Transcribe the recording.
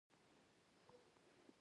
د شرکت د شعار لیکل